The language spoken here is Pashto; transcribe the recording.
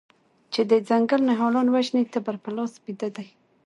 چې د ځنګل نهالان وژني تبر په لاس بیده دی